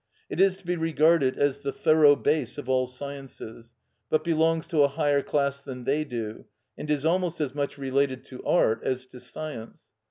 It is to be regarded as the thorough bass of all sciences, but belongs to a higher class than they do, and is almost as much related to art as to science.